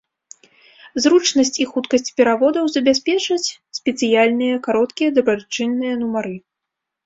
Зручнасць і хуткасць пераводаў забяспечаць спецыяльныя кароткія дабрачынныя нумары.